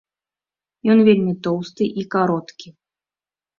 Ён вельмі тоўсты і кароткі.